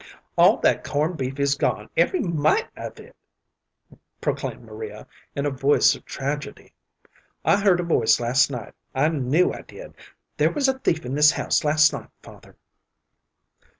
"All that corn' beef is gone, every mite of it," proclaimed Maria, in a voice of tragedy. "I heard a noise last night. I knew I did. There was a thief in this house last night, father."